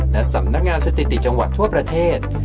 และสำนักงานสถิติจังหวัดทั่วประเทศ